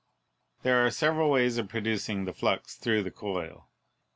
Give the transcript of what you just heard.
There are several ways of pro ducing the flux through the coil.